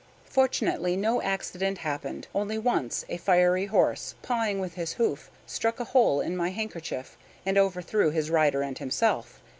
Fortunately no accident happened, only once a fiery horse, pawing with his hoof, struck a hole in my handkerchief, and overthrew his rider and himself.